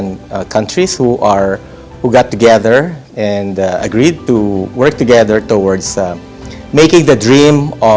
yang bersama sama untuk bekerjasama dan berusaha untuk berusaha bersama sama untuk mengembangkan negara negara asia